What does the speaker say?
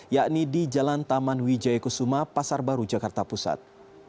yakni di jalan taman wijaya kusuma pasar baru jakarta pusat